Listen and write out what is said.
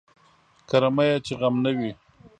کرميه چې غم نه وي.